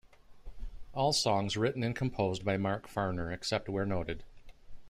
All songs written and composed by Mark Farner, except where noted.